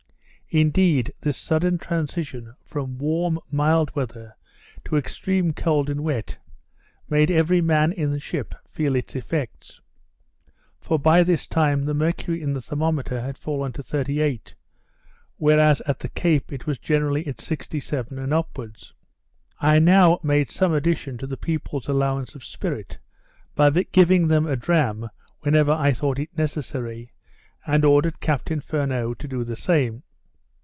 Indeed this sudden transition from warm, mild weather, to extreme cold and wet, made every man in the ship feel its effects. For by this time the mercury in the thermometer had fallen to 38; whereas at the Cape it was generally at 67 and upwards. I now made some addition to the people's allowance of spirit, by giving them a dram whenever I thought it necessary, and ordered Captain Furneaux to do the same.